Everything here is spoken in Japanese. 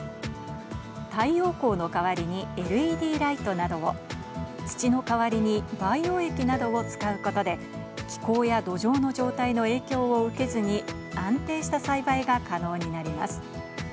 太陽光の代わりにＬＥＤライトなどを、土の代わりに培養液などを使うことで、気候や土壌の状態の影響を受けずに安定した栽培が可能になります。